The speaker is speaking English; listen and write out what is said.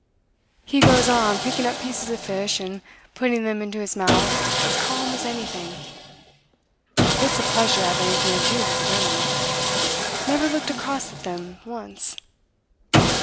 He goes on picking up pieces of fish and putting them into his mouth as calm as anything. It's a pleasure to have anything to do with a gentleman. Never looked across at them once.